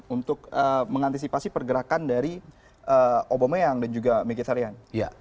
untuk mengantisipasi pergerakan dari aubameyang dan juga mkhitaryan